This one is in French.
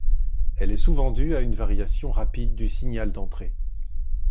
Elle est souvent due à une variation rapide du signal d'entrée.